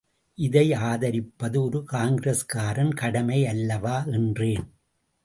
இதை ஆதரிப்பது ஒரு காங்கிரஸ்காரன் கடமை அல்லவா? என்றேன்.